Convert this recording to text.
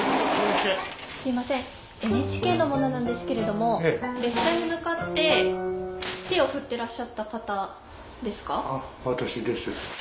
すいませんＮＨＫの者なんですけれども列車に向かって手を振ってらっしゃった方ですか？